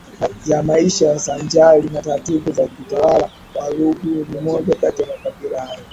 ya maisha sanjari na taratibu za kiutawala Waluguru ni moja kati ya Makabila hayo